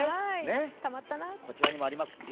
こちらにもあります。